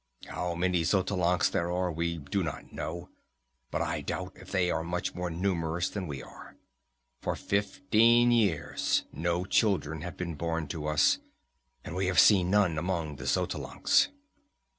How many Xotalancas there are we do not know, but I doubt if they are much more numerous than we. For fifteen years no children have been born to us, and we have seen none among the Xotalancas.